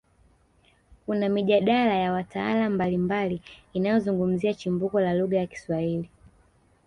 Kuna mijadala ya wataalamu mbalimbali inayozungumzia chimbuko la lugha ya Kiswahili